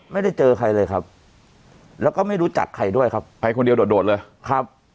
ไม่ได้เจอใครเลยครับแล้วก็ไม่รู้จักใครด้วยครับไปคนเดียวโดดเลยครับ